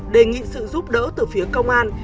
đề nghị sự giúp đỡ từ phía công an